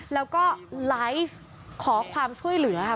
แล้วก็ไลฟ์ขอความช่วยเหลือค่ะ